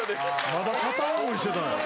まだ片思いしてたんや。